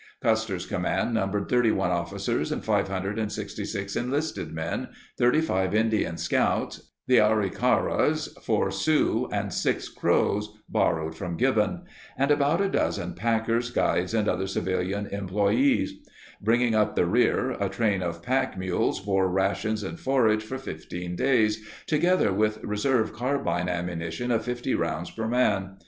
Custer's command numbered 31 officers and 566 enlisted men, 35 Indian scouts (the Arikaras, four Sioux, and six Crows borrowed from Gibbon), and about a dozen packers, guides, and other civilian employees. Bringing up the rear, a train of pack mules bore rations and forage for 15 days together with reserve carbine ammunition of 50 rounds per man.